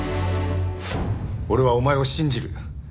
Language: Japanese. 俺はお前を信じる。